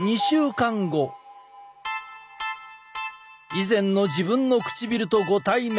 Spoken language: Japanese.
以前の自分の唇とご対面。